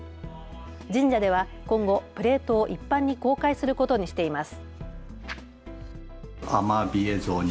神社では今後、プレートを一般に公開することにしています。